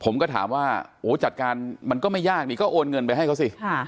ผมก็ถามว่าโอ้จัดการมันก็ไม่ยากนี่ก็โอนเงินไปให้เขาสิ